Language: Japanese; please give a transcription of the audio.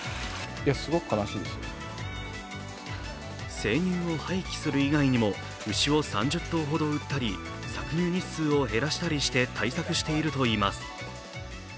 生乳を廃棄する以外にも牛を３０頭ほど売ったり、搾乳日数を減らしたりして対策しているといいます。